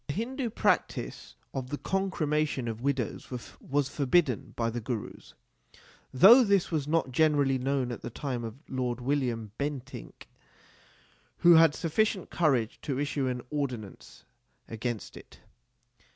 The Hindu practice of the concremation of widows was forbidden by the Gurus ; though this was not generally known at the time of Lord William Bentinck, who had sufficient courage to issue an ordinance against it.